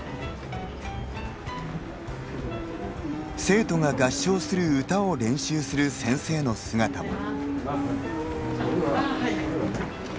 生徒が合唱する歌を練習する先生の姿も。